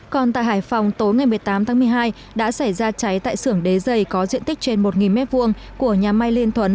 còn tại hải phòng tối ngày một mươi tám tháng một mươi hai đã xảy ra cháy tại sưởng đế dày có diện tích trên một m hai của nhà may liên thuấn